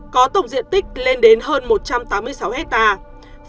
có tổng diện tích lên đến hơn một trăm tám mươi sáu hectare